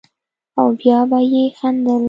او بيا به يې خندل.